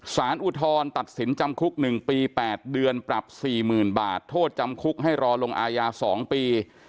อุทธรณ์ตัดสินจำคุก๑ปี๘เดือนปรับ๔๐๐๐บาทโทษจำคุกให้รอลงอาญา๒ปี